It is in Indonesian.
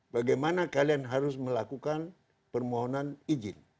bagaimana kalian harus melakukan permohonan izin